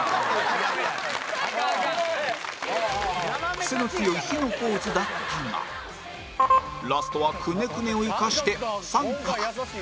クセの強い「ひ」のポーズだったがラストはクネクネを生かして△